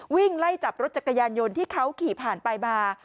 วิ่งไล่จับรถจักรยานยนต์ที่เขาขี่ผ่านไปมา